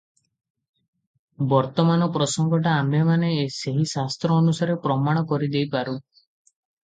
ବର୍ତ୍ତମାନ ପ୍ରସଙ୍ଗଟା ଆମ୍ଭେମାନେ ସେହି ଶାସ୍ତ୍ର ଅନୁସାରେ ପ୍ରମାଣ କରିଦେଇପାରୁଁ ।